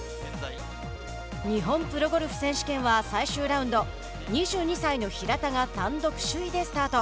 日本プロゴルフ選手権は最終ラウンド２２歳の平田が単独首位でスタート。